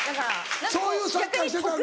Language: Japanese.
そういうサッカーしてたんだ。